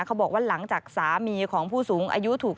เขาบอกว่าหลังจากสามีของผู้สูงอายุถูก